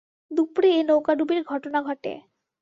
দুপুরে এ নৌকাডুবির ঘটনা ঘটে।